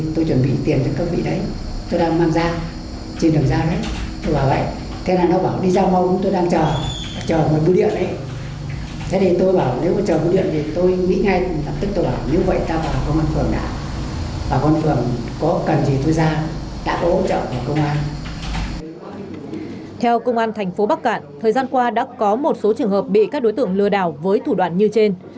theo công an tp bắc cạn thời gian qua đã có một số trường hợp bị các đối tượng lừa đảo với thủ đoạn như trên